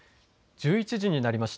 １１時になりました。